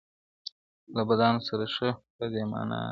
له بدانو سره ښه په دې معنا ده.